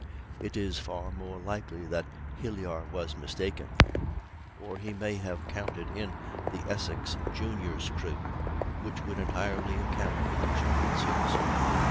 It is far more likely that Hilyar was mistaken; or he may have counted in the Essex Junior's crew, which would entirely account for the discrepancies.